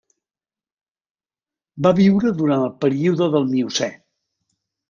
Va viure durant el període del Miocè.